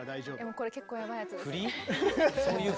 これ結構ヤバイやつです。